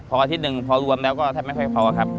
พออาทิตย์หนึ่งพอรวมแล้วก็แทบไม่ค่อยพอครับ